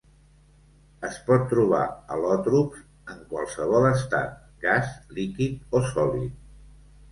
Es pot trobar al·lòtrops en qualsevol estat; gas, líquid o sòlid.